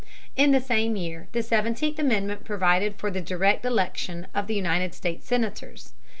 In the same year the Seventeenth Amendment provided for the direct election of United States Senators.